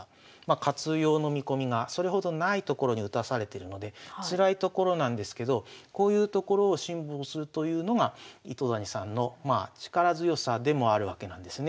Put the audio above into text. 活用の見込みがそれほどない所に打たされてるのでつらいところなんですけどこういうところを辛抱するというのが糸谷さんの力強さでもあるわけなんですね。